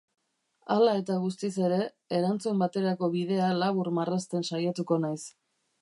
Hala eta guztiz ere, erantzun baterako bidea labur marrazten saiatuko naiz.